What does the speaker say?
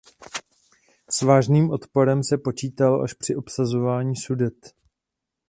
S vážným odporem se počítalo až při obsazování Sudet.